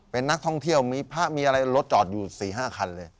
เป็นนักท่องเที่ยวมีพระมีอะไรรถจอดอยู่๔๕คันเลย